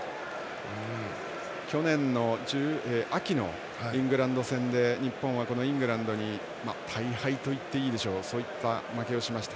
去年の秋のイングランド戦で日本は、このイングランドに大敗といっていいでしょうそういった負けをしました。